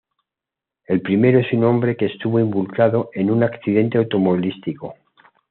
El primero es un hombre que estuvo involucrado en un accidente automovilístico.